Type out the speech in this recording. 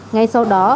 ngay sau đó